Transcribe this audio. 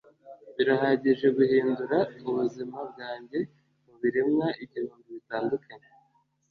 Birahagije guhindura ubuzima bwanjye mubiremwa igihumbi bitandukanye